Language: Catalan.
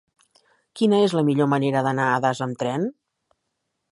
Quina és la millor manera d'anar a Das amb tren?